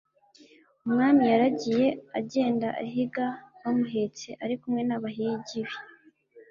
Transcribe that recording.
umwami yaragiye agenda ahiga bamuhetse ari kumwe n'abahigi be